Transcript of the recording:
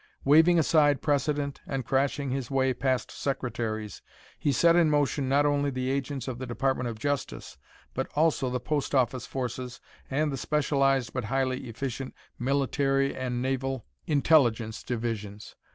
Waving aside precedent and crashing his way past secretaries, he set in motion not only the agents of the Department of Justice but also the post office forces and the specialized but highly efficient Military and Naval Intelligence Divisions.